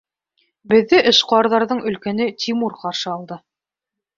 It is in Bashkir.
— Беҙҙе эшҡыуарҙарҙың өлкәне Тимур ҡаршы алды.